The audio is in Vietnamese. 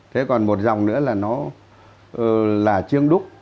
thế còn một dòng nữa là chiêng đúc